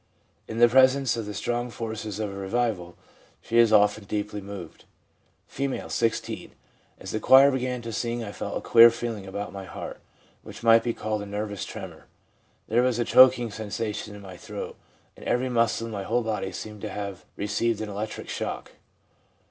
In the presence of the strong forces of a revival she is often deeply moved. F., 16. 'As the choir began to sing I felt a queer feeling about my heart, which might be called a nervous tremor. There was a choking sen sation in my throat, and every muscle in my body seemed to have received an electric shock.